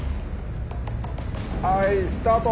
はいスタート。